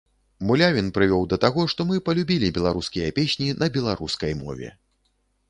Мулявін прывёў да таго, што мы палюбілі беларускія песні на беларускай мове.